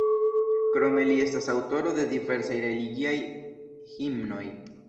Krome li estas aŭtoro de diversaj religiaj himnoj.